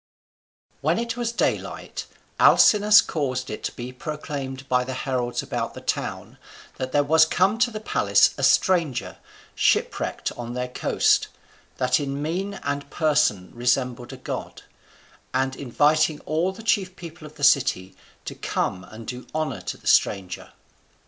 When it was daylight, Alcinous caused it to be proclaimed by the heralds about the town that there was come to the palace a stranger, shipwrecked on their coast, that in mien and person resembled a god; and inviting all the chief people of the city to come and do honour to the stranger.